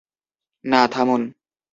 না, থামুন!